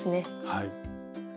はい。